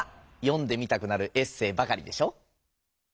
読んでみたくなるエッセーばかりでしょ？